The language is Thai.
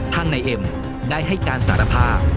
นายเอ็มได้ให้การสารภาพ